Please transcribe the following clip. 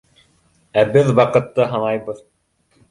Ә беҙ ваҡытты һанайбыҙ.